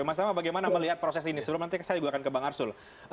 mas tama bagaimana melihat proses ini sebelum nanti saya juga akan ke bang arsul